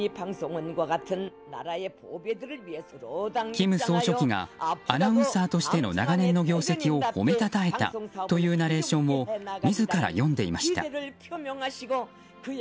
金総書記がアナウンサーとしての長年の業績を褒めたたえたというナレーションを自ら読んでいました。